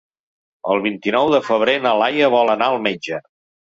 El vint-i-nou de febrer na Laia vol anar al metge.